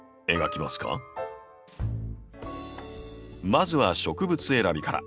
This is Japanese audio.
まずは植物選びから。